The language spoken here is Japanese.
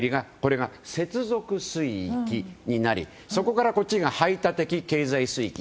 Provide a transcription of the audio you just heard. そこから更に１２海里が接続水域になりそこからこっちが排他的経済水域。